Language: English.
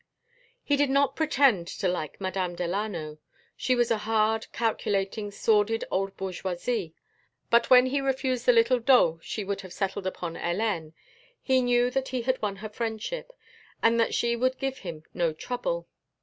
He did not pretend to like Madame Delano. She was a hard, calculating, sordid old bourgeoisie, but when he refused the little dot she would have settled upon Hélène, he knew that he had won her friendship and that she would give him no trouble.